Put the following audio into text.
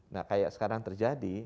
nah kayak sekarang terjadi